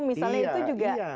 misalnya itu juga